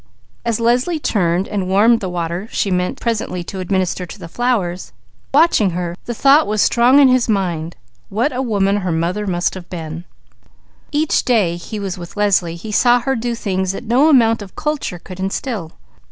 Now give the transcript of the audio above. As Leslie turned and warmed the water, watching her, the thought was strong in his mind: what a woman her mother must have been! Each day he was with Leslie, he saw her do things that no amount of culture could instil.